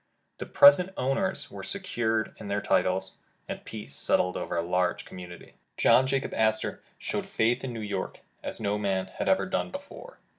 The present owners were se 242 Landlord and Airlord cured in their titles, and peace settled over a large community. John Jacob Astor showed faith in New York as no man had ever done before.